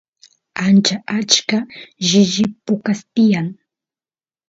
ancha achka shishi pukas tiyan